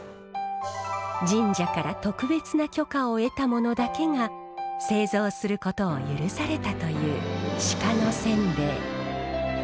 神社から特別な許可を得た者だけが製造することを許されたという鹿のせんべい。